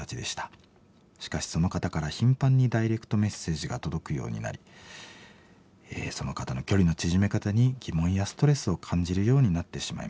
しかしその方から頻繁にダイレクトメッセージが届くようになりその方の距離の縮め方に疑問やストレスを感じるようになってしまいました。